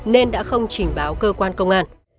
nên đã không trình báo cơ quan công an